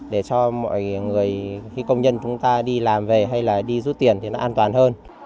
để cho mọi người khi công nhân chúng ta đi làm về hay là đi rút tiền thì nó an toàn hơn